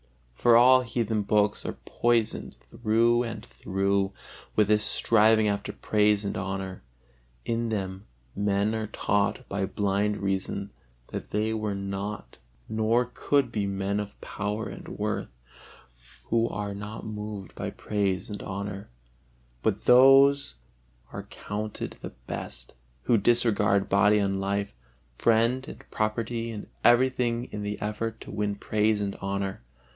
For all heathen books are poisoned through and through with this striving after praise and honor; in them men are taught by blind reason that they were not nor could be men of power and worth, who are not moved by praise and honor; but those are counted the best, who disregard body and life, friend and property and everything in the effort to win praise and honor.